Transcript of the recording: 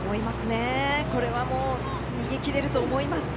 これはもう逃げきれると思います。